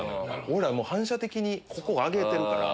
俺らはもう反射的にここ上げてるから。